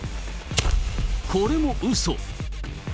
これもうそ。